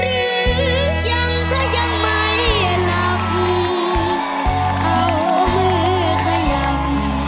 เอามือขยับ